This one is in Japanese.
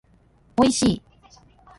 おいしい